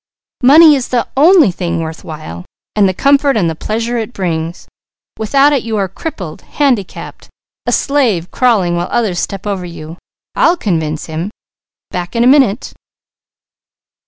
Money is the only thing worth while, and the comfort and the pleasure it brings. Without it you are crippled, handicapped, a slave crawling while others step over you. I'll convince him! Back in a minute."